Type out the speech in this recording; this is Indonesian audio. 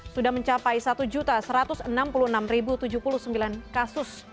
sudah mencapai satu satu ratus enam puluh enam tujuh puluh sembilan kasus